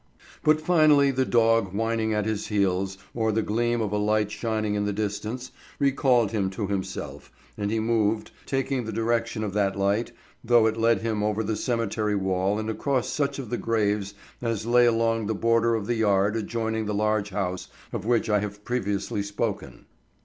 But finally the dog whining at his heels, or the gleam of a light shining in the distance, recalled him to himself, and he moved, taking the direction of that light, though it led him over the cemetery wall and across such of the graves as lay along the border of the yard adjoining the large house of which I have previously spoken.